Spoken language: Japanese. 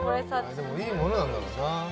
でもいいものなんだろうな。